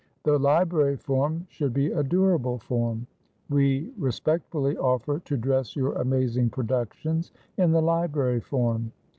The library form should be a durable form. We respectfully offer to dress your amazing productions in the library form.